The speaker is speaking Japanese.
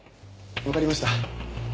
わかりました。